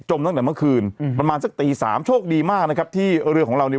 ตั้งแต่เมื่อคืนอืมประมาณสักตีสามโชคดีมากนะครับที่เรือของเราเนี่ย